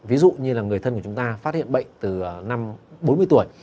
ví dụ như là người thân của chúng ta phát hiện bệnh từ năm bốn mươi tuổi